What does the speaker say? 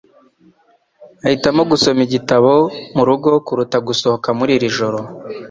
Nahitamo gusoma igitabo murugo kuruta gusohoka muri iri joro.